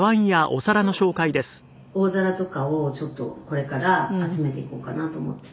「大皿とかをちょっとこれから集めていこうかなと思って」